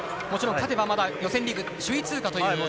もちろん、勝てば予選リーグ首位通過という。